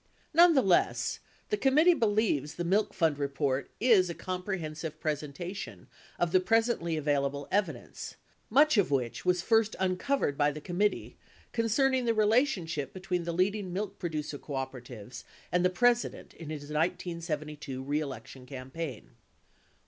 Nonetheless, the committee believes the Milk Fund report is a com prehensive presentation of the presently available evidence, much of which was first uncovered by the committee, concerning the relation ship between the leading milk producer cooperatives and the President in his 1972 reelection campaign.